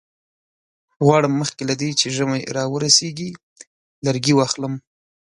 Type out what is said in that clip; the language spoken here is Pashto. غواړم مخکې له دې چې ژمی را ورسیږي لرګي واخلم.